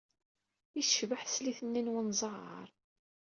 Ay tecbeḥ teslit-nni n wenẓar!